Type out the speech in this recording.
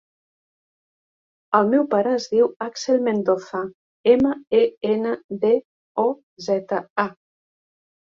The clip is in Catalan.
El meu pare es diu Axel Mendoza: ema, e, ena, de, o, zeta, a.